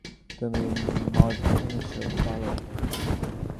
তুমি মদ এনেছো, বালক।